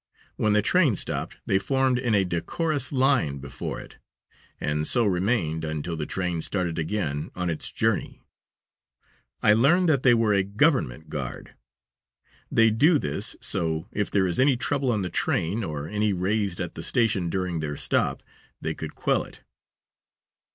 When the train stopped they formed in a decorous line before it, and so remained until the train started again on its journey. I learned that they were a government guard. They do this so, if there is any trouble on the train or any raised at the station during their stop, they could quell it.